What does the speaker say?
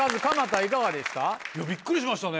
いやびっくりしましたね。